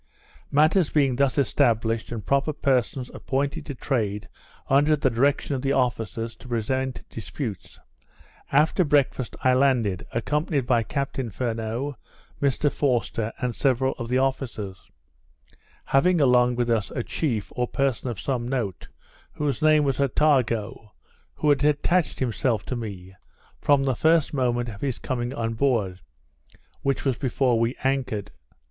Matters being thus established, and proper persons appointed to trade under the direction of the officers, to prevent disputes, after breakfast I landed, accompanied by Captain Furneaux, Mr Forster, and several of the officers; having along with us a chief, or person of some note, whose name was Attago, who had attached himself to me, from the first moment of his coming on board, which was before we anchored.